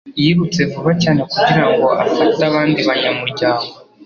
Yirutse vuba cyane kugira ngo afate abandi banyamuryango.